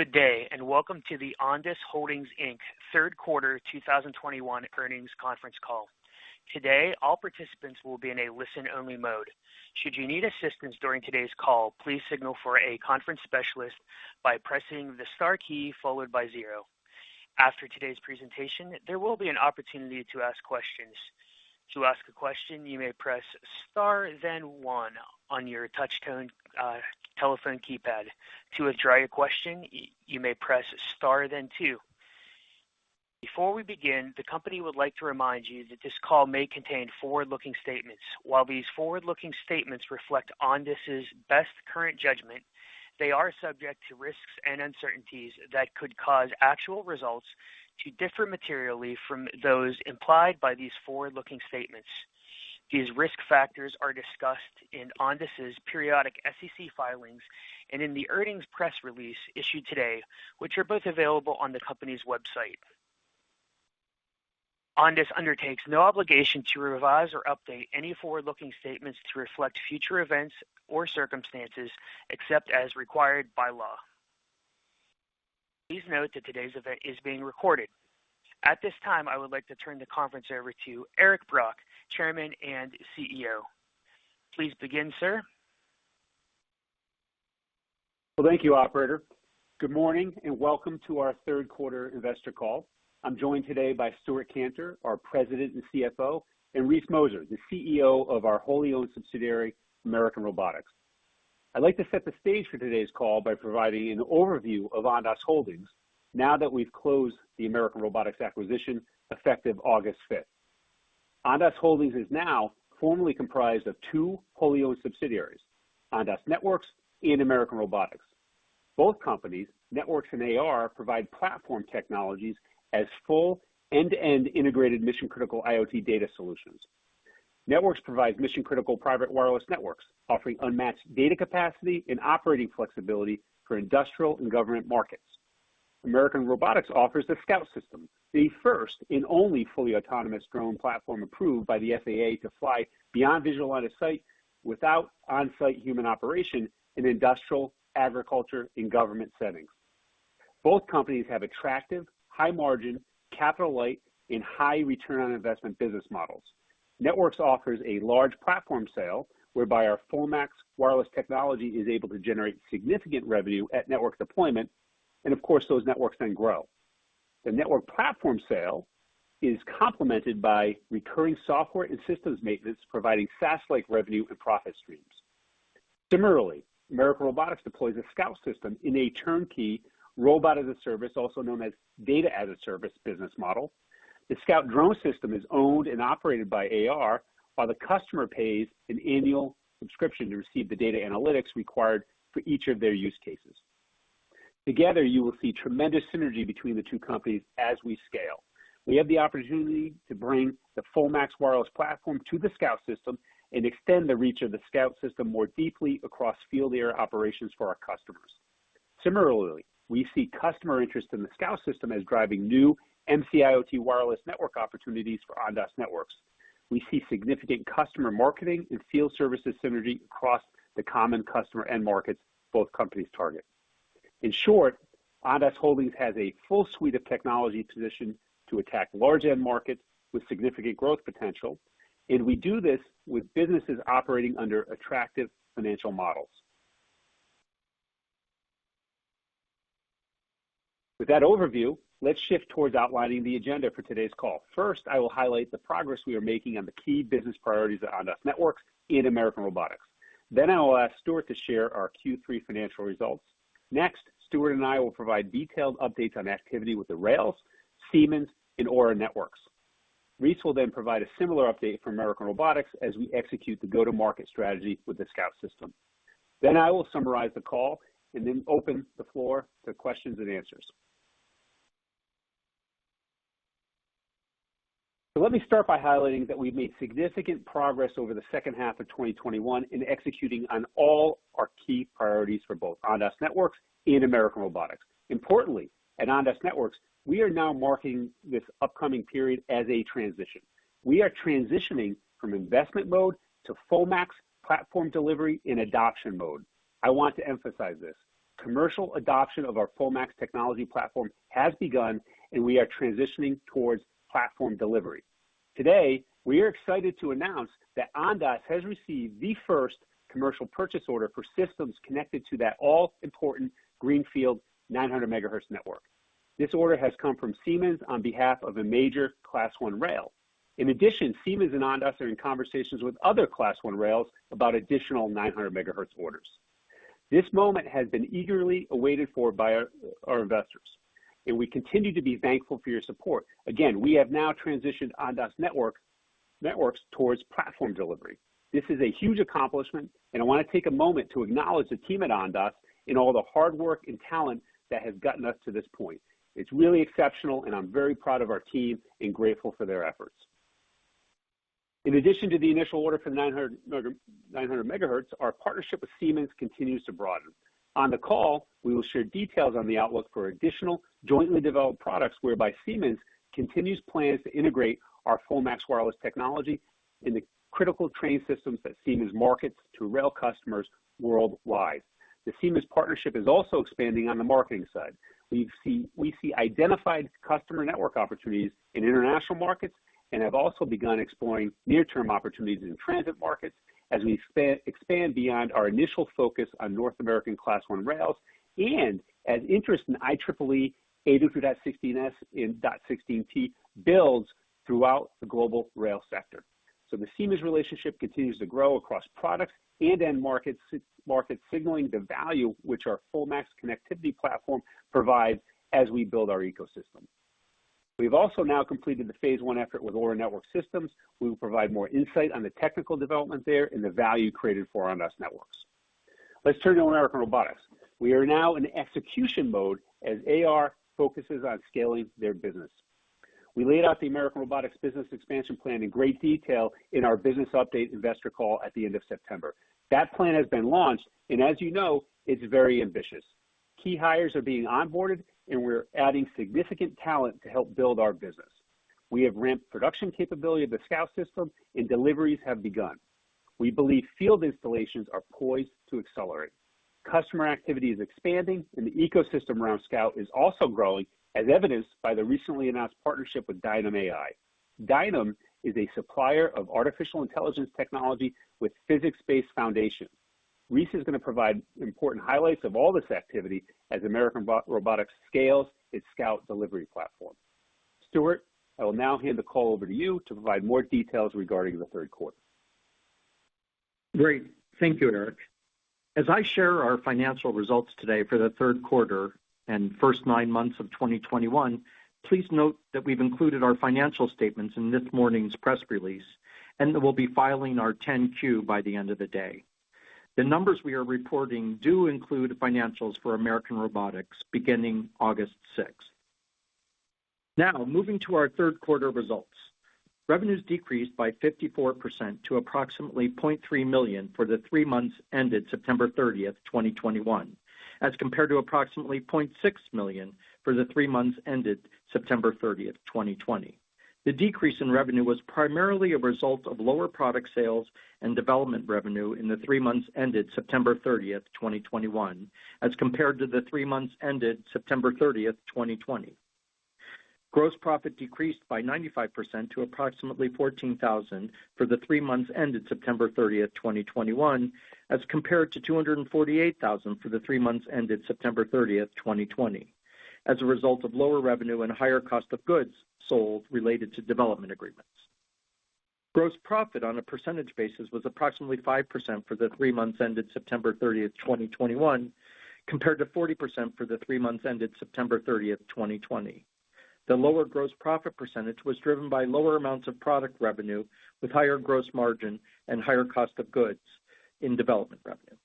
Good day, and welcome to the Ondas Holdings Inc. third quarter 2021 earnings conference call. Today, all participants will be in a listen-only mode. Should you need assistance during today's call, please signal for a conference specialist by pressing the star key followed by zero. After today's presentation, there will be an opportunity to ask questions. To ask a question, you may press star then one on your touch tone telephone keypad. To withdraw your question, you may press star then two. Before we begin, the company would like to remind you that this call may contain forward-looking statements. While these forward-looking statements reflect Ondas' best current judgment, they are subject to risks and uncertainties that could cause actual results to differ materially from those implied by these forward-looking statements. These risk factors are discussed in Ondas' periodic SEC filings and in the earnings press release issued today, which are both available on the company's website. Ondas undertakes no obligation to revise or update any forward-looking statements to reflect future events or circumstances except as required by law. Please note that today's event is being recorded. At this time, I would like to turn the conference over to Eric Brock, Chairman and CEO. Please begin, sir. Well, thank you, operator. Good morning, and welcome to our third quarter investor call. I'm joined today by Stewart Kantor, our President and CFO, and Reese Mozer, the CEO of our wholly-owned subsidiary, American Robotics. I'd like to set the stage for today's call by providing an overview of Ondas Holdings now that we've closed the American Robotics acquisition, effective August 5th. Ondas Holdings is now formally comprised of two wholly-owned subsidiaries, Ondas Networks and American Robotics. Both companies, Networks and AR, provide platform technologies as full end-to-end integrated mission-critical IoT data solutions. Networks provides mission-critical private wireless networks, offering unmatched data capacity and operating flexibility for industrial and government markets. American Robotics offers the Scout System, the first and only fully autonomous drone platform approved by the FAA to fly beyond visual line of sight without on-site human operation in industrial, agriculture, and government settings. Both companies have attractive, high-margin, capital-light and high return on investment business models. Networks offers a large platform sale whereby our FullMAX wireless technology is able to generate significant revenue at network deployment, and of course, those networks then grow. The network platform sale is complemented by recurring software and systems maintenance, providing SaaS-like revenue and profit streams. Similarly, American Robotics deploys a Scout System in a turnkey Robot-as-a-Service, also known as Data-as-a-Service business model. The Scout System drone system is owned and operated by AR, while the customer pays an annual subscription to receive the data analytics required for each of their use cases. Together, you will see tremendous synergy between the two companies as we scale. We have the opportunity to bring the FullMAX wireless platform to the Scout System and extend the reach of the Scout System more deeply across field air operations for our customers. Similarly, we see customer interest in the Scout System as driving new MC-IoT wireless network opportunities for Ondas Networks. We see significant customer marketing and field services synergy across the common customer end markets both companies target. In short, Ondas Holdings has a full suite of technology positioned to attack large end markets with significant growth potential, and we do this with businesses operating under attractive financial models. With that overview, let's shift towards outlining the agenda for today's call. First, I will highlight the progress we are making on the key business priorities at Ondas Networks and American Robotics. Then I will ask Stewart to share our Q3 financial results. Next, Stewart and I will provide detailed updates on activity with the rails, Siemens, and Aura Network Systems. Reese will then provide a similar update for American Robotics as we execute the go-to-market strategy with the Scout System. I will summarize the call and then open the floor to questions and answers. Let me start by highlighting that we've made significant progress over the second half of 2021 in executing on all our key priorities for both Ondas Networks and American Robotics. Importantly, at Ondas Networks, we are now marking this upcoming period as a transition. We are transitioning from investment mode to FullMAX platform delivery and adoption mode. I want to emphasize this. Commercial adoption of our FullMAX technology platform has begun, and we are transitioning towards platform delivery. Today, we are excited to announce that Ondas has received the first commercial purchase order for systems connected to that all-important greenfield 900 MHz network. This order has come from Siemens on behalf of a major Class I rail. In addition, Siemens and Ondas are in conversations with other Class I rails about additional 900 MHz orders. This moment has been eagerly awaited for by our investors, and we continue to be thankful for your support. Again, we have now transitioned Ondas Networks towards platform delivery. This is a huge accomplishment, and I wanna take a moment to acknowledge the team at Ondas and all the hard work and talent that has gotten us to this point. It's really exceptional, and I'm very proud of our team and grateful for their efforts. In addition to the initial order for 900 MHz, our partnership with Siemens continues to broaden. On the call, we will share details on the outlook for additional jointly developed products whereby Siemens continues plans to integrate our FullMAX wireless technology in the critical train systems that Siemens markets to rail customers worldwide. The Siemens partnership is also expanding on the marketing side. We see identified customer network opportunities in international markets and have also begun exploring near-term opportunities in transit markets as we expand beyond our initial focus on North American Class I rails and as interest in IEEE 802.16s and 802.16t builds throughout the global rail sector. The Siemens relationship continues to grow across products and end markets, signaling the value which our FullMAX connectivity platform provides as we build our ecosystem. We've also now completed the phase one effort with Aura Network Systems. We will provide more insight on the technical development there and the value created for our networks. Let's turn to American Robotics. We are now in execution mode as AR focuses on scaling their business. We laid out the American Robotics business expansion plan in great detail in our business update investor call at the end of September. That plan has been launched, and as you know, it's very ambitious. Key hires are being onboarded, and we're adding significant talent to help build our business. We have ramped production capability of the Scout System and deliveries have begun. We believe field installations are poised to accelerate. Customer activity is expanding, and the ecosystem around Scout is also growing, as evidenced by the recently announced partnership with Dynam.ai. Dynam.ai is a supplier of artificial intelligence technology with physics-based foundation. Reese is going to provide important highlights of all this activity as American Robotics scales its Scout delivery platform. Stewart, I will now hand the call over to you to provide more details regarding the third quarter. Great. Thank you, Eric. As I share our financial results today for the third quarter and first nine months of 2021, please note that we've included our financial statements in this morning's press release, and that we'll be filing our 10-Q by the end of the day. The numbers we are reporting do include financials for American Robotics beginning August 6. Now, moving to our third quarter results. Revenues decreased by 54% to approximately $0.3 million for the three months ended September 30, 2021, as compared to approximately $0.6 million for the three months ended September 30, 2020. The decrease in revenue was primarily a result of lower product sales and development revenue in the three months ended September 30, 2021, as compared to the three months ended September 30, 2020. Gross profit decreased by 95% to approximately $14,000 for the three months ended September 30, 2021, as compared to $248,000 for the three months ended September 30, 2020, as a result of lower revenue and higher cost of goods sold related to development agreements. Gross profit on a percentage basis was approximately 5% for the three months ended September 30, 2021, compared to 40% for the three months ended September 30, 2020. The lower gross profit percentage was driven by lower amounts of product revenue with higher gross margin and higher cost of goods in development revenue.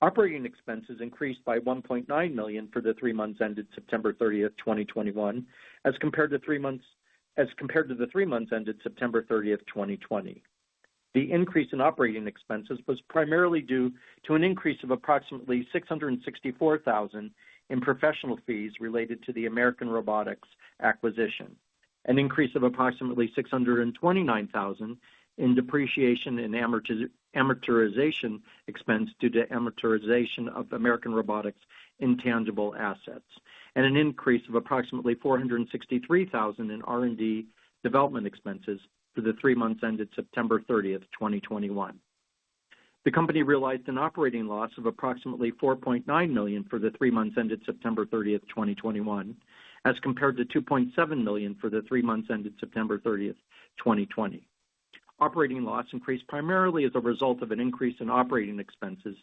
Operating expenses increased by $1.9 million for the three months ended September 30, 2021, as compared to the three months ended September 30, 2020. The increase in operating expenses was primarily due to an increase of approximately $664,000 in professional fees related to the American Robotics acquisition, an increase of approximately $629,000 in depreciation and amortization expense due to amortization of American Robotics intangible assets, and an increase of approximately $463,000 in R&D development expenses for the three months ended September 30, 2021. The company realized an operating loss of approximately $4.9 million for the three months ended September 30, 2021, as compared to $2.7 million for the three months ended September 30, 2020. Operating loss increased primarily as a result of an increase in operating expenses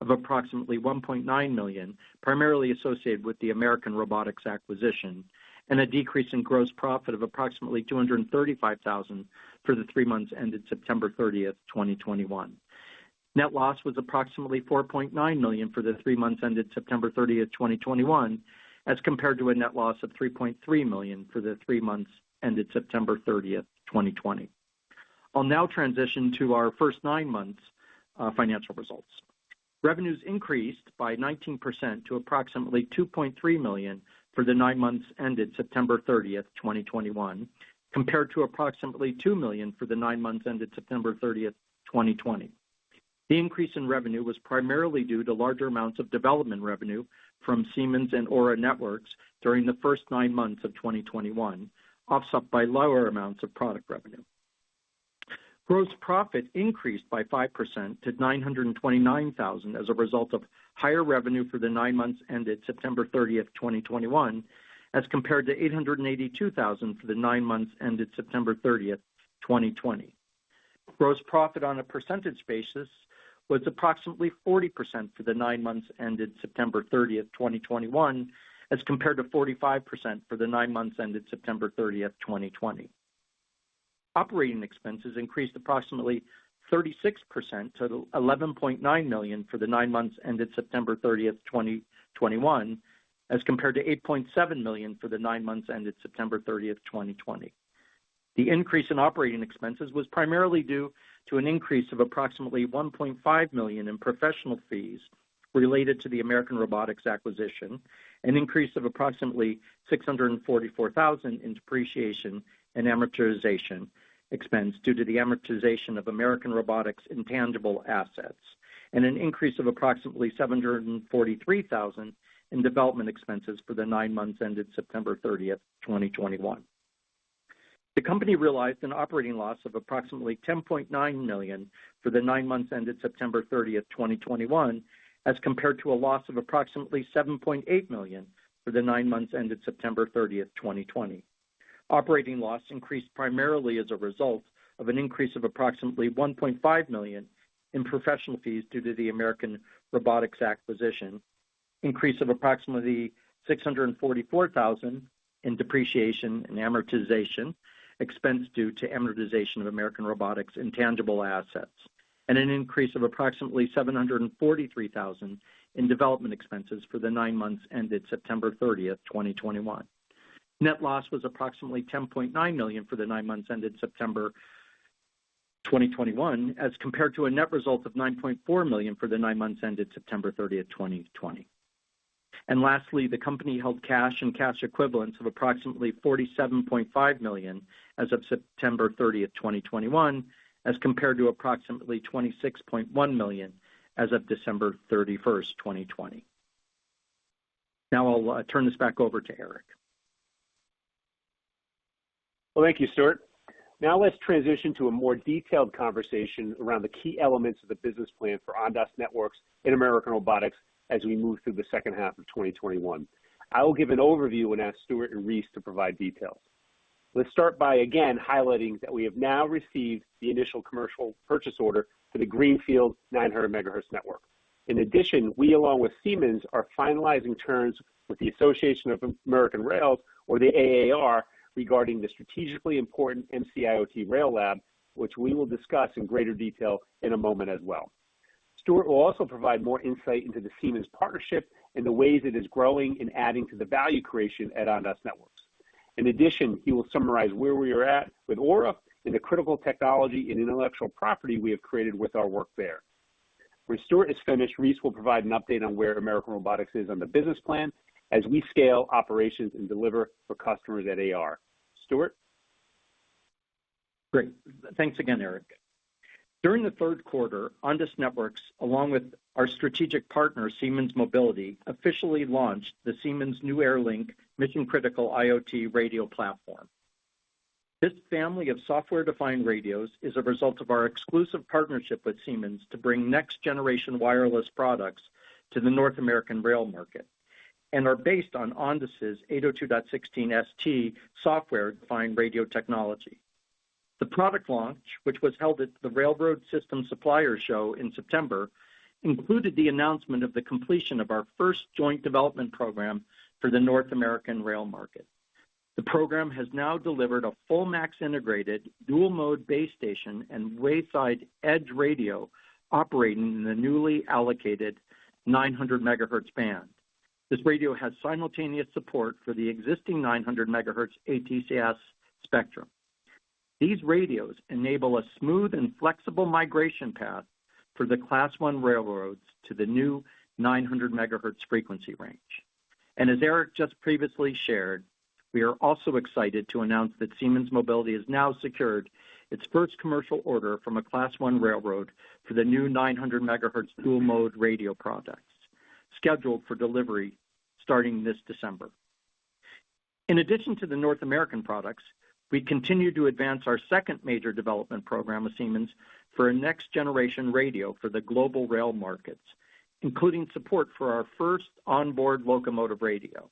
of approximately $1.9 million, primarily associated with the American Robotics acquisition, and a decrease in gross profit of approximately $235,000 for the three months ended September 30, 2021. Net loss was approximately $4.9 million for the three months ended September 30, 2021, as compared to a net loss of $3.3 million for the three months ended September 30, 2020. I'll now transition to our first nine months financial results. Revenues increased by 19% to approximately $2.3 million for the nine months ended September 30, 2021, compared to approximately $2 million for the nine months ended September 30, 2020. The increase in revenue was primarily due to larger amounts of development revenue from Siemens and Aura Networks during the first nine months of 2021, offset by lower amounts of product revenue. Gross profit increased by 5% to $929,000 as a result of higher revenue for the nine months ended September 30, 2021, as compared to $882,000 for the nine months ended September 30, 2020. Gross profit on a percentage basis was approximately 40% for the nine months ended September 30, 2021, as compared to 45% for the nine months ended September 30, 2020. Operating expenses increased approximately 36% to $11.9 million for the nine months ended September 30, 2021, as compared to $8.7 million for the nine months ended September 30, 2020. The increase in operating expenses was primarily due to an increase of approximately $1.5 million in professional fees related to the American Robotics acquisition, an increase of approximately $644,000 in depreciation and amortization expense due to the amortization of American Robotics' intangible assets, and an increase of approximately $743,000 in development expenses for the nine months ended September 30, 2021. The company realized an operating loss of approximately $10.9 million for the nine months ended September 30, 2021, as compared to a loss of approximately $7.8 million for the nine months ended September 30, 2020. Operating loss increased primarily as a result of an increase of approximately $1.5 million in professional fees due to the American Robotics acquisition, increase of approximately $644,000 in depreciation and amortization expense due to amortization of American Robotics' intangible assets, and an increase of approximately $743,000 in development expenses for the nine months ended September 30, 2021. Net loss was approximately $10.9 million for the nine months ended September 2021, as compared to a net result of $9.4 million for the nine months ended September 30, 2020. Lastly, the company held cash and cash equivalents of approximately $47.5 million as of September 30, 2021, as compared to approximately $26.1 million as of December 31, 2020. Now I'll turn this back over to Eric. Well, thank you, Stewart. Now let's transition to a more detailed conversation around the key elements of the business plan for Ondas Networks and American Robotics as we move through the second half of 2021. I will give an overview and ask Stewart and Reese to provide details. Let's start by, again, highlighting that we have now received the initial commercial purchase order for the Greenfield 900 MHz network. In addition, we, along with Siemens, are finalizing terms with the Association of American Railroads, or the AAR, regarding the strategically important MC-IoT Rail Lab, which we will discuss in greater detail in a moment as well. Stewart will also provide more insight into the Siemens partnership and the ways it is growing and adding to the value creation at Ondas Networks. In addition, he will summarize where we are at with Aura and the critical technology and intellectual property we have created with our work there. When Stewart is finished, Reese will provide an update on where American Robotics is on the business plan as we scale operations and deliver for customers at AR. Stewart? Great. Thanks again, Eric. During the third quarter, Ondas Networks, along with our strategic partner, Siemens Mobility, officially launched the Siemens Airlink Mission Critical IoT Radio Platform. This family of software-defined radios is a result of our exclusive partnership with Siemens to bring next-generation wireless products to the North American rail market and are based on Ondas' 802.16s/t software-defined radio technology. The product launch, which was held at the Railway Systems Suppliers, Inc. Exhibition in September, included the announcement of the completion of our first joint development program for the North American rail market. The program has now delivered a FullMAX integrated dual-mode base station and wayside edge radio operating in the newly allocated 900 MHz band. This radio has simultaneous support for the existing 900 MHz ATCS spectrum. These radios enable a smooth and flexible migration path for the Class I railroads to the new 900 MHz frequency range. As Eric just previously shared, we are also excited to announce that Siemens Mobility has now secured its first commercial order from a Class I railroad for the new 900 MHz dual-mode radio products scheduled for delivery starting this December. In addition to the North American products, we continue to advance our second major development program with Siemens for a next-generation radio for the global rail markets, including support for our first onboard locomotive radio.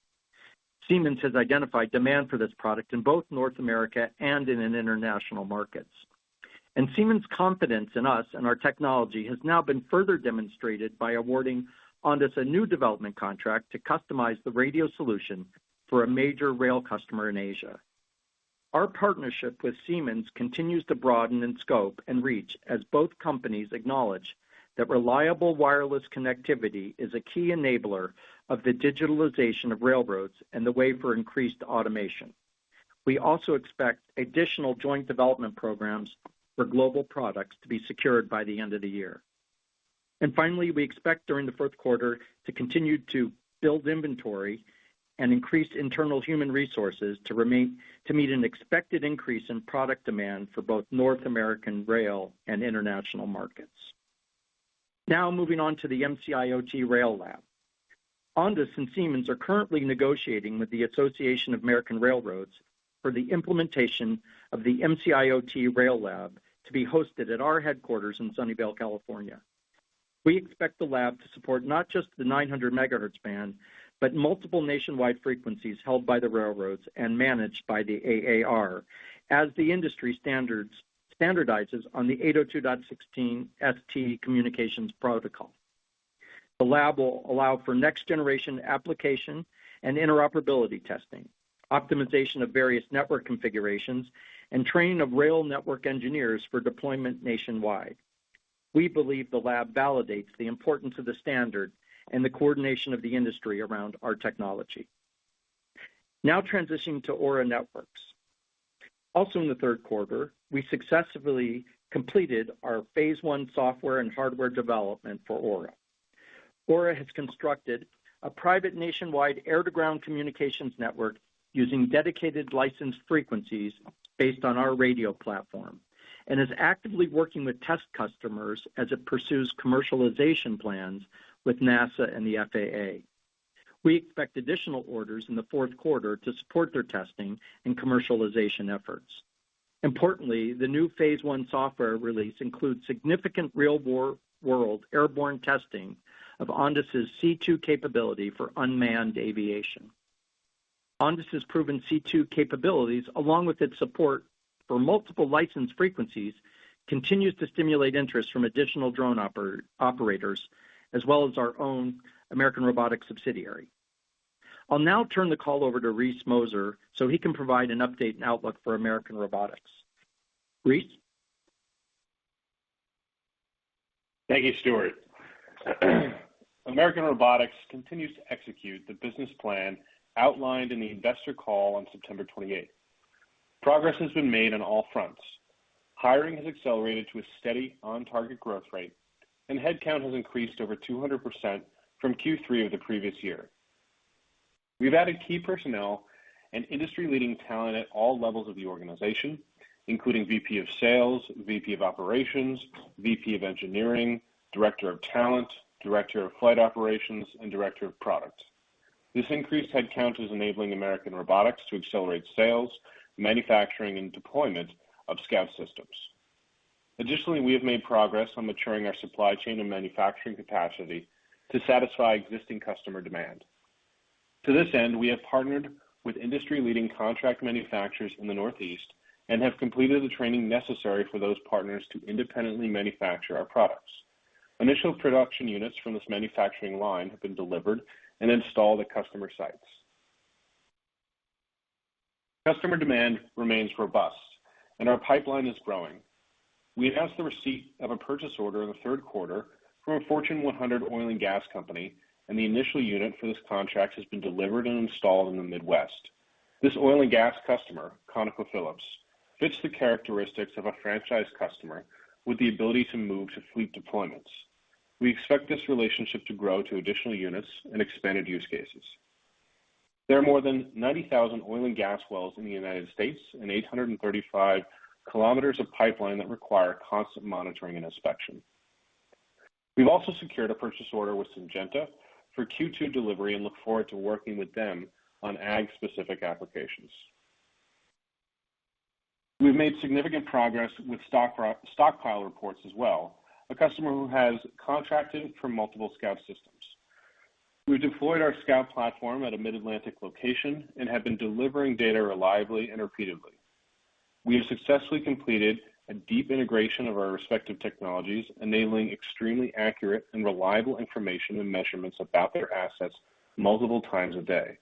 Siemens has identified demand for this product in both North America and in international markets. Siemens' confidence in us and our technology has now been further demonstrated by awarding Ondas a new development contract to customize the radio solution for a major rail customer in Asia. Our partnership with Siemens continues to broaden in scope and reach as both companies acknowledge that reliable wireless connectivity is a key enabler of the digitalization of railroads and the way for increased automation. We also expect additional joint development programs for global products to be secured by the end of the year. Finally, we expect during the fourth quarter to continue to build inventory and increase internal human resources to meet an expected increase in product demand for both North American rail and international markets. Now, moving on to the North American Rail Lab. Ondas and Siemens are currently negotiating with the Association of American Railroads for the implementation of the North American Rail Lab to be hosted at our headquarters in Sunnyvale, California. We expect the lab to support not just the 900 MHz band, but multiple nationwide frequencies held by the railroads and managed by the AAR, as the industry standardizes on the 802.16s/t communications protocol. The lab will allow for next-generation application and interoperability testing, optimization of various network configurations, and training of rail network engineers for deployment nationwide. We believe the lab validates the importance of the standard and the coordination of the industry around our technology. Now transitioning to Aura Network Systems. Also, in the third quarter, we successfully completed our phase one software and hardware development for Aura. Aura has constructed a private nationwide air-to-ground communications network using dedicated licensed frequencies based on our radio platform and is actively working with test customers as it pursues commercialization plans with NASA and the FAA. We expect additional orders in the fourth quarter to support their testing and commercialization efforts. Importantly, the new phase one software release includes significant real-world airborne testing of Ondas' C2 capability for unmanned aviation. Ondas' proven C2 capabilities, along with its support for multiple licensed frequencies, continues to stimulate interest from additional drone operators as well as our own American Robotics subsidiary. I'll now turn the call over to Reese Mozer so he can provide an update and outlook for American Robotics. Reese? Thank you, Stewart. American Robotics continues to execute the business plan outlined in the investor call on September twenty-eighth. Progress has been made on all fronts. Hiring has accelerated to a steady on-target growth rate, and headcount has increased over 200% from Q3 of the previous year. We've added key personnel and industry-leading talent at all levels of the organization, including VP of Sales, VP of Operations, VP of Engineering, Director of Talent, Director of Flight Operations, and Director of Product. This increased headcount is enabling American Robotics to accelerate sales, manufacturing, and deployment of Scout systems. Additionally, we have made progress on maturing our supply chain and manufacturing capacity to satisfy existing customer demand. To this end, we have partnered with industry-leading contract manufacturers in the Northeast and have completed the training necessary for those partners to independently manufacture our products. Initial production units from this manufacturing line have been delivered and installed at customer sites. Customer demand remains robust and our pipeline is growing. We announced the receipt of a purchase order in the third quarter from a Fortune 100 oil and gas company, and the initial unit for this contract has been delivered and installed in the Midwest. This oil and gas customer, ConocoPhillips, fits the characteristics of a franchise customer with the ability to move to fleet deployments. We expect this relationship to grow to additional units and expanded use cases. There are more than 90,000 oil and gas wells in the United States and 835 km of pipeline that require constant monitoring and inspection. We've also secured a purchase order with Syngenta for Q2 delivery and look forward to working with them on ag-specific applications. We've made significant progress with Stockpile Reports as well, a customer who has contracted for multiple Scout systems. We deployed our Scout platform at a Mid-Atlantic location and have been delivering data reliably and repeatedly. We have successfully completed a deep integration of our respective technologies, enabling extremely accurate and reliable information and measurements about their assets multiple times a day.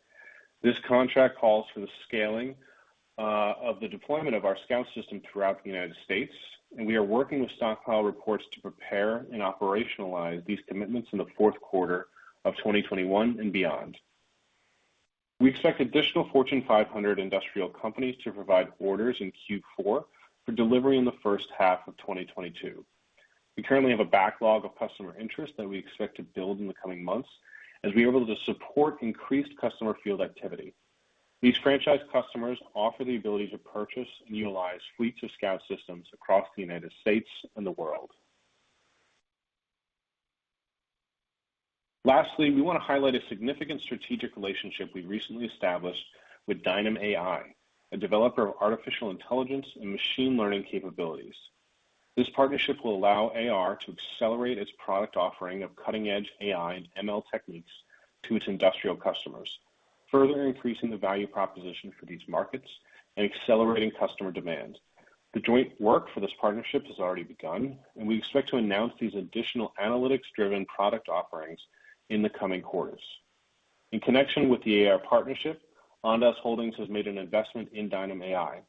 This contract calls for the scaling of the deployment of our Scout system throughout the United States, and we are working with Stockpile Reports to prepare and operationalize these commitments in the fourth quarter of 2021 and beyond. We expect additional Fortune 500 industrial companies to provide orders in Q4 for delivery in the first half of 2022. We currently have a backlog of customer interest that we expect to build in the coming months as we are able to support increased customer field activity. These franchise customers offer the ability to purchase and utilize fleets of Scout systems across the United States and the world. Lastly, we want to highlight a significant strategic relationship we recently established with Dynam.ai, a developer of artificial intelligence and machine learning capabilities. This partnership will allow AR to accelerate its product offering of cutting-edge AI and ML techniques to its industrial customers, further increasing the value proposition for these markets and accelerating customer demand. The joint work for this partnership has already begun, and we expect to announce these additional analytics-driven product offerings in the coming quarters. In connection with the AR partnership, Ondas Holdings has made an investment in Dynam.ai.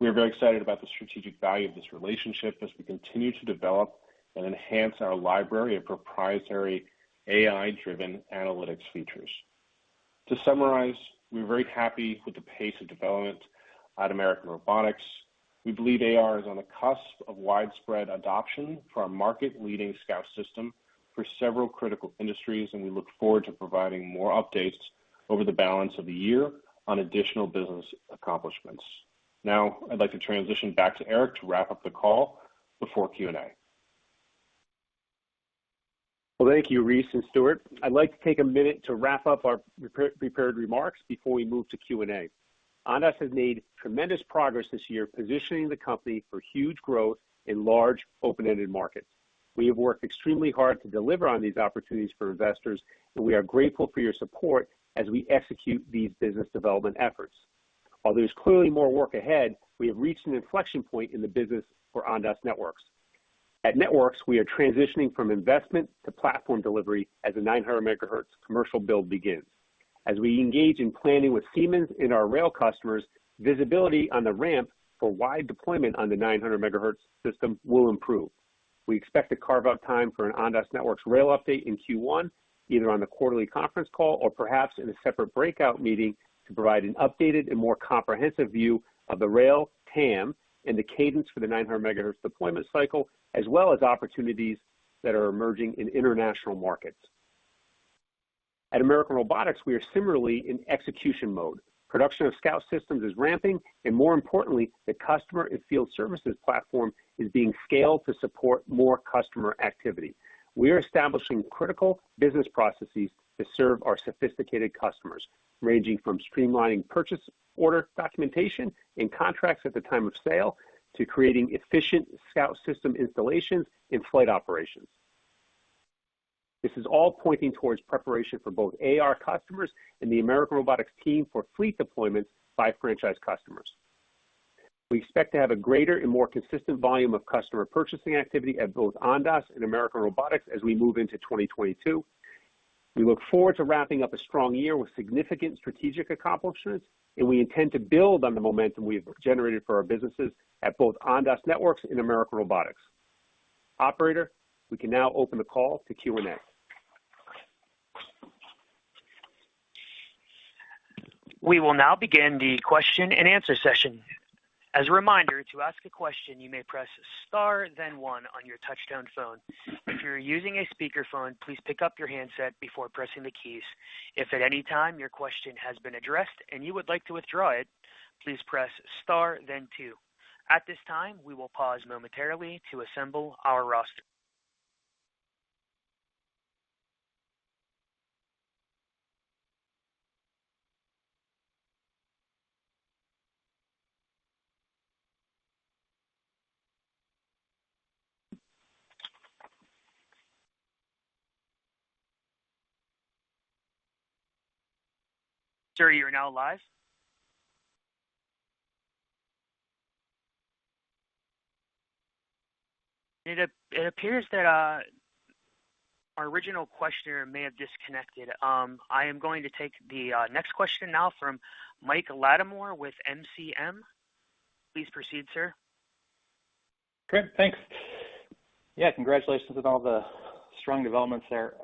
We are very excited about the strategic value of this relationship as we continue to develop and enhance our library of proprietary AI-driven analytics features. To summarize, we're very happy with the pace of development at American Robotics. We believe AR is on the cusp of widespread adoption for our market-leading Scout System for several critical industries, and we look forward to providing more updates over the balance of the year on additional business accomplishments. Now I'd like to transition back to Eric to wrap up the call before Q&A. Well, thank you, Reese and Stewart. I'd like to take a minute to wrap up our prepared remarks before we move to Q&A. Ondas has made tremendous progress this year, positioning the company for huge growth in large, open-ended markets. We have worked extremely hard to deliver on these opportunities for investors, and we are grateful for your support as we execute these business development efforts. While there's clearly more work ahead, we have reached an inflection point in the business for Ondas Networks. At Networks, we are transitioning from investment to platform delivery as the 900 MHz commercial build begins. As we engage in planning with Siemens and our rail customers, visibility on the ramp for wide deployment on the 900 MHz system will improve. We expect to carve out time for an Ondas Networks rail update in Q1, either on the quarterly conference call or perhaps in a separate breakout meeting to provide an updated and more comprehensive view of the rail TAM and the cadence for the 900 MHz deployment cycle, as well as opportunities that are emerging in international markets. At American Robotics, we are similarly in execution mode. Production of Scout Systems is ramping, and more importantly, the customer and field services platform is being scaled to support more customer activity. We are establishing critical business processes to serve our sophisticated customers, ranging from streamlining purchase order documentation and contracts at the time of sale to creating efficient Scout System installations and flight operations. This is all pointing towards preparation for both AR customers and the American Robotics team for fleet deployment by franchise customers. We expect to have a greater and more consistent volume of customer purchasing activity at both Ondas and American Robotics as we move into 2022. We look forward to wrapping up a strong year with significant strategic accomplishments, and we intend to build on the momentum we've generated for our businesses at both Ondas Networks and American Robotics. Operator, we can now open the call to Q&A. We will now begin the question-and-answer session. As a reminder, to ask a question, you may press star then one on your touchtone phone. If you're using a speakerphone, please pick up your handset before pressing the keys. If at any time your question has been addressed and you would like to withdraw it, please press star then two. At this time, we will pause momentarily to assemble our roster. Sir, you are now live. It appears that our original questioner may have disconnected. I am going to take the next question now from Mike Latimore with NCM. Please proceed, sir. Great. Thanks. Yeah, congratulations with all the strong developments there.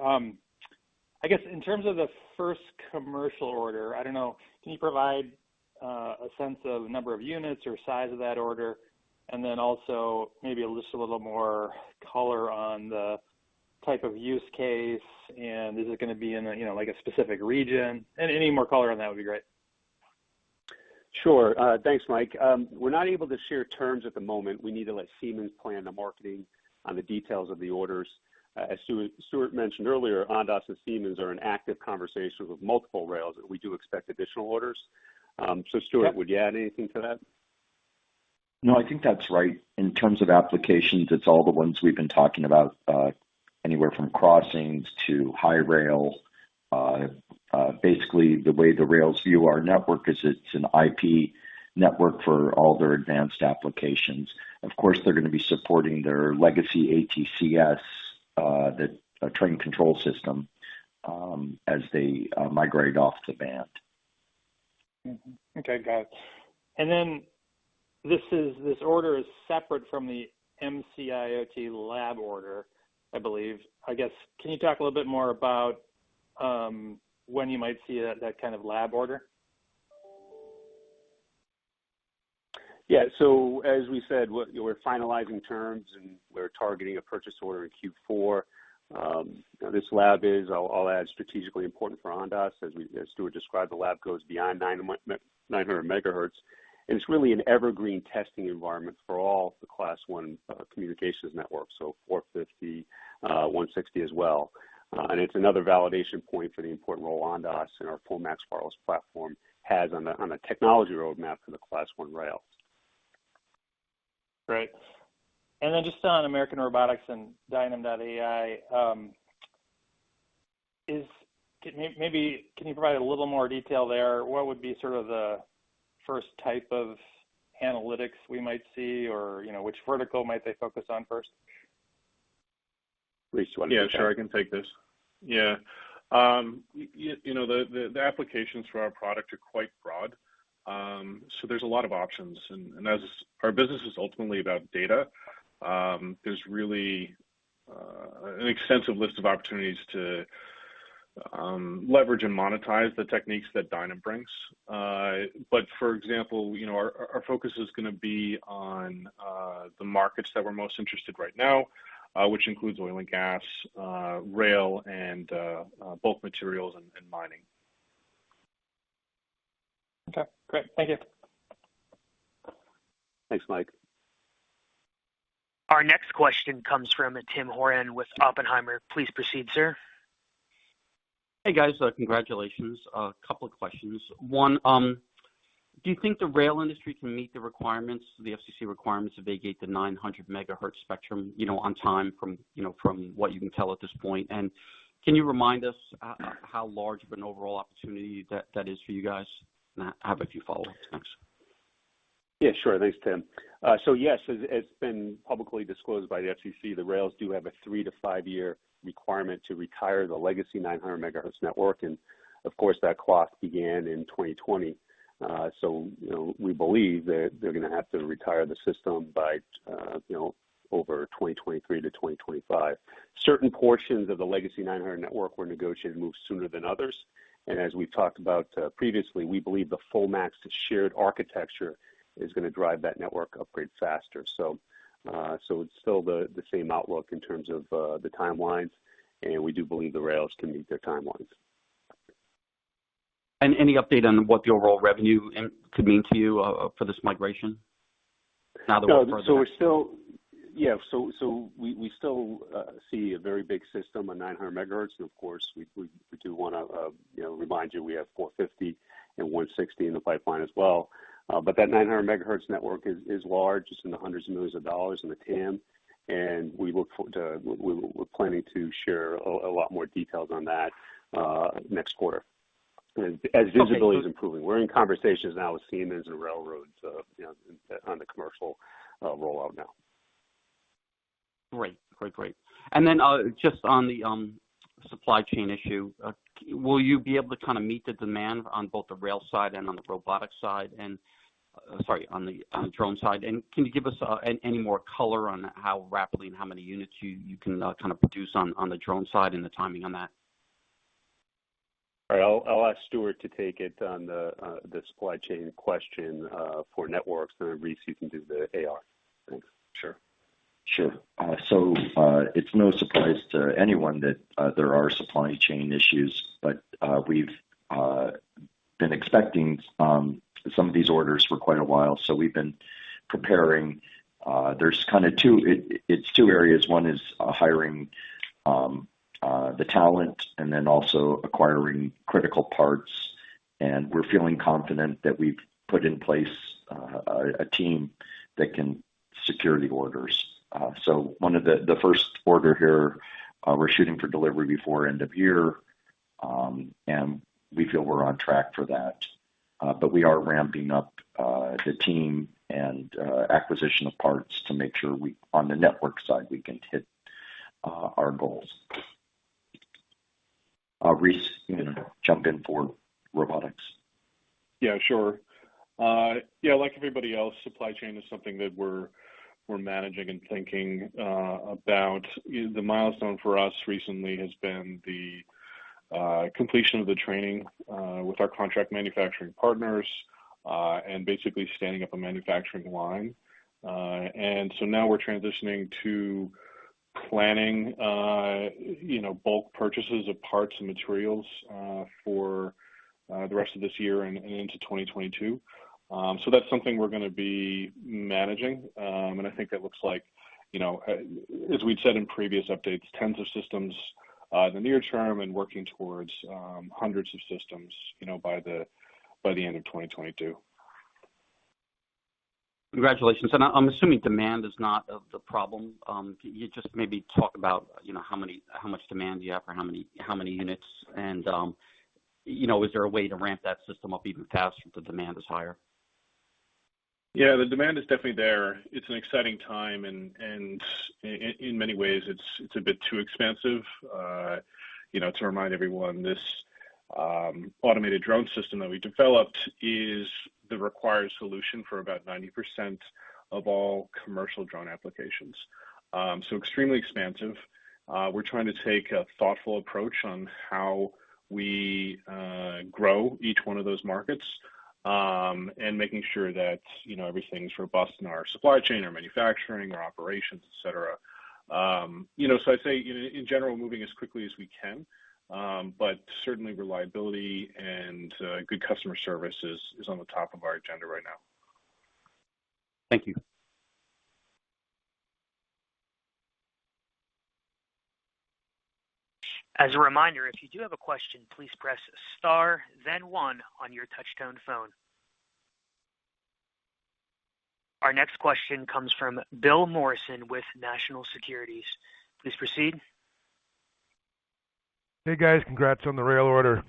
I guess in terms of the first commercial order, I don't know, can you provide a sense of the number of units or size of that order? Also maybe just a little more color on the type of use case, and is it gonna be in a, you know, like, a specific region? Any more color on that would be great. Sure. Thanks, Mike. We're not able to share terms at the moment. We need to let Siemens plan the marketing on the details of the orders. As Stewart mentioned earlier, Ondas and Siemens are in active conversations with multiple rails, and we do expect additional orders. Stewart, would you add anything to that? No, I think that's right. In terms of applications, it's all the ones we've been talking about, anywhere from crossings to high rail. Basically, the way the rails view our network is it's an IP network for all their advanced applications. Of course, they're gonna be supporting their legacy ATCS, the train control system, as they migrate off the band. Mm-hmm. Okay, got it. This order is separate from the MC-IoT lab order, I believe. I guess, can you talk a little bit more about when you might see that kind of lab order? As we said, we're finalizing terms, and we're targeting a purchase order in Q4. This lab, I'll add, is strategically important for Ondas. As Stewart described, the lab goes beyond 900 MHz, and it's really an evergreen testing environment for all the Class I communications networks, so 450, 160 as well. It's another validation point for the important role Ondas and our FullMAX Wireless platform has on the technology roadmap for the Class I rail. Great. Just on American Robotics and Dynam.ai, can you provide a little more detail there? What would be sort of the first type of analytics we might see or, you know, which vertical might they focus on first? Reese, do you want to take that? Yeah, sure. I can take this. Yeah. You know, the applications for our product are quite broad, so there's a lot of options. As our business is ultimately about data, there's really an extensive list of opportunities to leverage and monetize the techniques that Dynam brings. For example, you know, our focus is gonna be on the markets that we're most interested right now, which includes oil and gas, rail, and bulk materials and mining. Okay, great. Thank you. Thanks, Mike. Our next question comes from Tim Horan with Oppenheimer. Please proceed, sir. Hey, guys. Congratulations. A couple of questions. One, do you think the rail industry can meet the requirements, the FCC requirements to vacate the 900 MHz spectrum, you know, on time from, you know, from what you can tell at this point? And can you remind us how large of an overall opportunity that is for you guys? And I have a few follow-ups. Thanks. Yeah, sure. Thanks, Tim. Yes, as has been publicly disclosed by the FCC, the rails do have a three to five-year requirement to retire the legacy 900 MHz network. Of course, that clock began in 2020. You know, we believe that they're gonna have to retire the system by, you know, over 2023-2025. Certain portions of the legacy 900 MHz network were negotiated to move sooner than others. As we've talked about previously, we believe the FullMAX to Shared architecture is gonna drive that network upgrade faster. It's still the same outlook in terms of the timelines, and we do believe the rails can meet their timelines. Any update on what the overall revenue could mean to you, for this migration now that we're further- We still see a very big system on 900 MHz. Of course, we do want to, you know, remind you, we have 450 and 160 in the pipeline as well. That 900 MHz network is large. It's in the hundreds of millions of dollars in the TAM, and we're planning to share a lot more details on that next quarter. As visibility- Okay. is improving. We're in conversations now with Siemens and railroads, you know, on the commercial rollout now. Great. Just on the supply chain issue, will you be able to kinda meet the demand on both the rail side and on the drone side? Can you give us any more color on how rapidly and how many units you can kinda produce on the drone side and the timing on that? All right. I'll ask Stewart to take it on the supply chain question for networks. Reese, you can do the AR. Thanks. Sure. Sure. It's no surprise to anyone that there are supply chain issues, but we've been expecting some of these orders for quite a while, so we've been preparing. It's two areas. One is hiring the talent and then also acquiring critical parts. We're feeling confident that we've put in place a team that can secure the orders. One of the first order here, we're shooting for delivery before end of year. We feel we're on track for that. We are ramping up the team and acquisition of parts to make sure, on the network side, we can hit our goals. Reese, you can jump in for robotics. Yeah, sure. Yeah, like everybody else, supply chain is something that we're managing and thinking about. The milestone for us recently has been the completion of the training with our contract manufacturing partners and basically standing up a manufacturing line. Now we're transitioning to planning, you know, bulk purchases of parts and materials for the rest of this year and into 2022. That's something we're gonna be managing. I think it looks like, you know, as we'd said in previous updates, tens of systems in the near term and working towards hundreds of systems, you know, by the end of 2022. Congratulations. I'm assuming demand is not the problem. Can you just maybe talk about, you know, how much demand you have or how many units and, you know, is there a way to ramp that system up even faster if the demand is higher? Yeah, the demand is definitely there. It's an exciting time and in many ways, it's a bit too expensive. You know, to remind everyone, this automated drone system that we developed is the required solution for about 90% of all commercial drone applications, so extremely expansive. We're trying to take a thoughtful approach on how we grow each one of those markets and making sure that, you know, everything's robust in our supply chain, our manufacturing, our operations, et cetera. You know, I'd say in general, moving as quickly as we can. Certainly reliability and good customer service is on the top of our agenda right now. Thank you. As a reminder, if you do have a question, please press star then one on your touchtone phone. Our next question comes from Bill Morrison with National Securities. Please proceed. Hey, guys. Congrats on the rail order.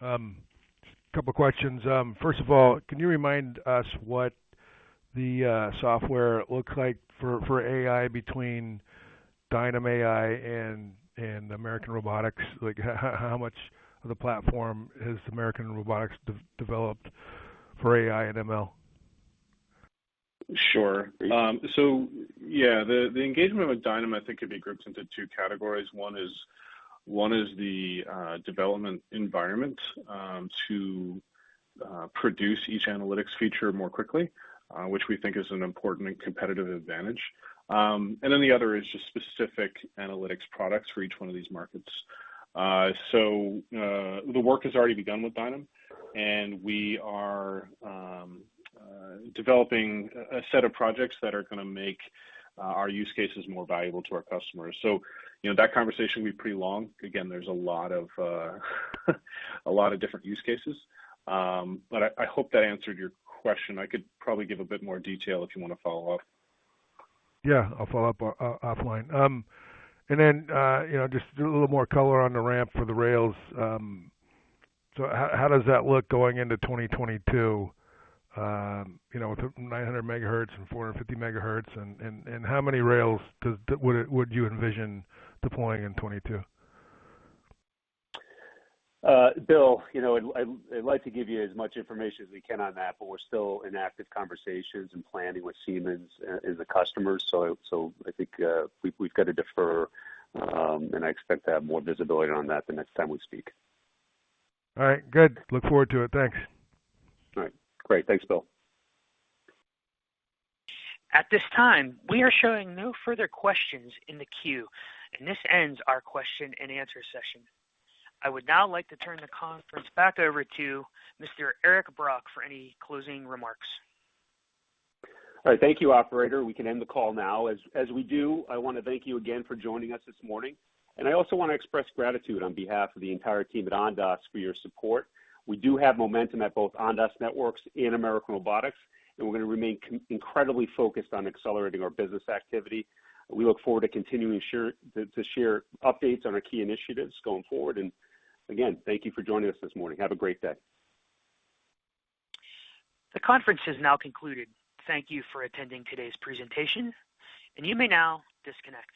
Couple questions. First of all, can you remind us what the software looks like for AI between Dynam.ai and American Robotics? Like, how much of the platform has American Robotics developed for AI and ML? Sure. Yeah, the engagement with Dynam, I think, could be grouped into two categories. One is the development environment to produce each analytics feature more quickly, which we think is an important competitive advantage. The other is just specific analytics products for each one of these markets. The work has already begun with Dynam, and we are developing a set of projects that are gonna make our use cases more valuable to our customers. You know, that conversation will be pretty long. Again, there's a lot of different use cases. I hope that answered your question. I could probably give a bit more detail if you wanna follow up. Yeah, I'll follow up offline. Then, you know, just a little more color on the ramp for the rails. How does that look going into 2022, you know, with the 900 MHz and 450 MHz? How many rails would you envision deploying in 2022? Bill, you know, I'd like to give you as much information as we can on that, but we're still in active conversations and planning with Siemens as a customer. I think we've got to defer. I expect to have more visibility on that the next time we speak. All right, good. Look forward to it. Thanks. All right. Great. Thanks, Bill. At this time, we are showing no further questions in the queue, and this ends our question and answer session. I would now like to turn the conference back over to Mr. Eric Brock for any closing remarks. All right. Thank you, operator. We can end the call now. As we do, I wanna thank you again for joining us this morning, and I also wanna express gratitude on behalf of the entire team at Ondas for your support. We do have momentum at both Ondas Networks and American Robotics, and we're gonna remain incredibly focused on accelerating our business activity. We look forward to continuing to share updates on our key initiatives going forward. Again, thank you for joining us this morning. Have a great day. The conference has now concluded. Thank you for attending today's presentation, and you may now disconnect.